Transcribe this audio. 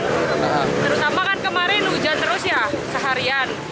terus sama kan kemarin hujan terus ya seharian